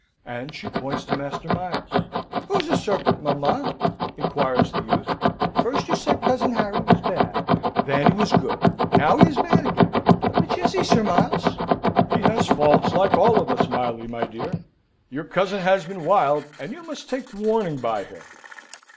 and she points to Master Miles. "Who's a serpent, mamma?" inquires that youth. "First you said cousin Harry was bad: then he was good: now he is bad again. Which is he, Sir Miles?" "He has faults, like all of us, Miley, my dear. Your cousin has been wild, and you must take warning by him."